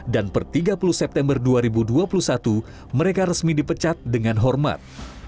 dan per tiga puluh september dua ribu dua puluh satu mereka resmi dipecat dengan hormat